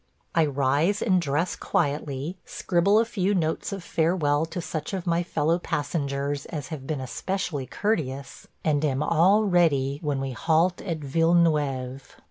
I rise and dress quietly, scribble a few notes of farewell to such of my fellow passengers as have been especially courteous, and am all ready when we halt at Villeneuve.